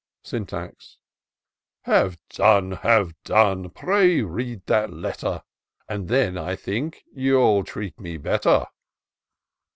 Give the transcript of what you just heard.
'* Syntax. " Have done — ^have done ! pray read that letter And then I think you'll treat me better."